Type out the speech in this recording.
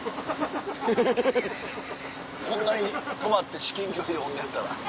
こんなに止まって至近距離におんのやったら。